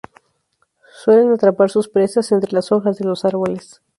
Suelen atrapar sus presas entre las hojas de los árboles.